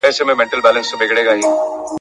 د هیلیو له کشپ سره دوستي سوه ..